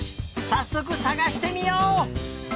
さっそくさがしてみよう！